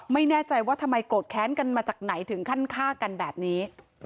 ไม่แน่ใจว่าทำไมโกรธแค้นกันมาจากไหนถึงขั้นฆ่ากันแบบนี้